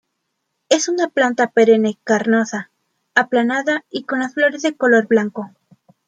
Es una planta perenne carnosa, aplanada y con las flores de color blanco.